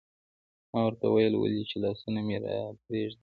ما ورته وویل: ولې؟ چې لاسونه مې راپرېږدي.